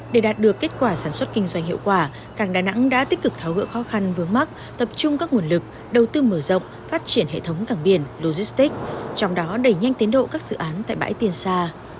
để đạt được kết quả sản xuất kinh doanh hiệu quả cảng đà nẵng đã tích cực tháo gỡ khó khăn vướng mắt tập trung các nguồn lực đầu tư mở rộng phát triển hệ thống cảng biển logistics trong đó đẩy nhanh tiến độ các dự án tại bãi tiền xa